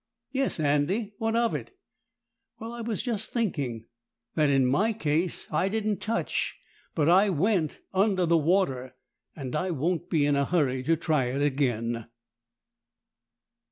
"Yes, Andy; what of it?" "Well, I was just thinking that in my case I didn't touch, but I went—under the water, and I won't be in a hurry to try it again."